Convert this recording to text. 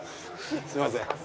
すいません。